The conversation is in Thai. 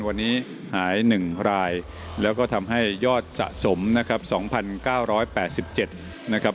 วันนี้หาย๑รายแล้วก็ทำให้ยอดสะสมนะครับ๒๙๘๗นะครับ